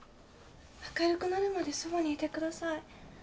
明るくなるまでそばにいてください。